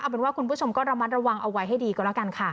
เป็นว่าคุณผู้ชมก็ระมัดระวังเอาไว้ให้ดีก็แล้วกันค่ะ